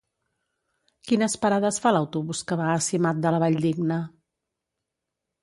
Quines parades fa l'autobús que va a Simat de la Valldigna?